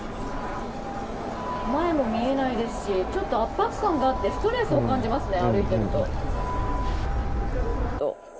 前も見えないですしちょっと圧迫感があってストレスを感じますね歩いていると。